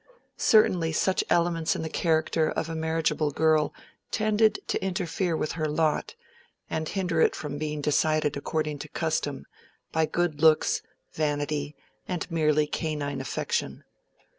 Certainly such elements in the character of a marriageable girl tended to interfere with her lot, and hinder it from being decided according to custom, by good looks, vanity, and merely canine affection.